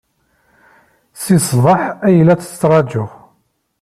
Seg ṣṣbaḥ ay la tt-ttṛajuɣ.